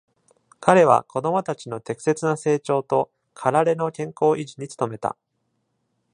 彼は子供たちの適切な成長と、かられの健康維持に努めた。